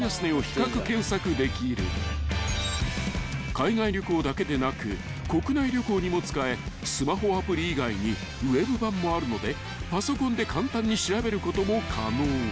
［海外旅行だけでなく国内旅行にも使えスマホアプリ以外にウェブ版もあるのでパソコンで簡単に調べることも可能］